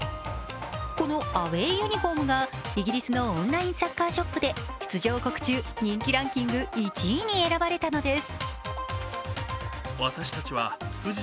このアウェーユニフォームがイギリスのオンラインサッカーショップで出場国中、人気ランキング１位に選ばれたのです。